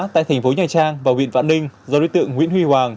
tại thành phố nhà trang và huyện vạn ninh do đối tượng nguyễn huy hoàng